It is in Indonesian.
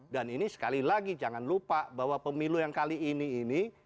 dan ini sekali lagi jangan lupa bahwa pemilu yang kali ini ini